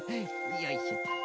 よいしょと。